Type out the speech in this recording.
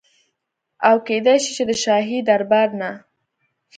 او کيدی شي چي د شاهي دربار نه